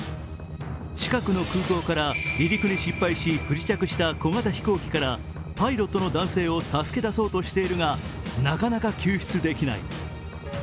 近くの空港から離陸に失敗し、不時着した小型機からパイロットの男性を助け出そうとしているが、なかなか救出できない。